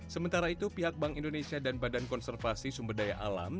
sementara itu pihak bank indonesia dan badan konservasi sumber daya alam